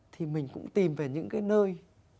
thì mình cũng tìm về những cái nơi